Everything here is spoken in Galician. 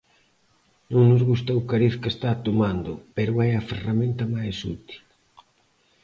Non nos gusta o cariz que está tomando, pero é a ferramenta máis útil.